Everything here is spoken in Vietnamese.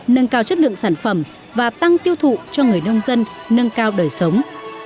nâng cao chất lượng sản phẩm và tăng tiêu thụ cho người nông dân nâng cao đời sống